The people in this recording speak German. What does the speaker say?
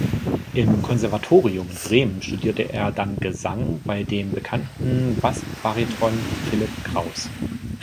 Am Konservatorium in Bremen studierte er dann Gesang bei dem bekannten Bassbariton Philipp Kraus.